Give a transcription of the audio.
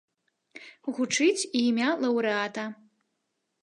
Гучыць і імя лаўрэата.